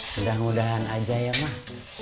mudah mudahan aja ya mah